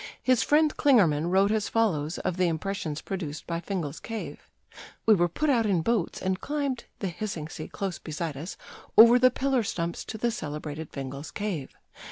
His friend Klingermann wrote as follows of the impressions produced by Fingal's Cave: "We were put out in boats, and climbed, the hissing sea close beside us, over the pillar stumps to the celebrated Fingal's Cave.